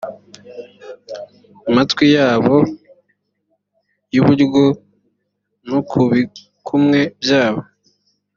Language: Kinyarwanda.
matwi yabo y iburyo no ku bikumwe byabo